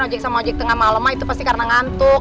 ojek sama ojek tengah malemah itu pasti karena ngantuk